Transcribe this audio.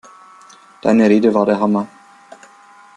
Deine Rede war der Hammer!